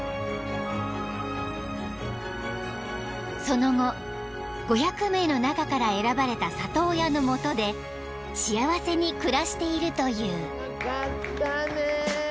［その後５００名の中から選ばれた里親の元で幸せに暮らしているという］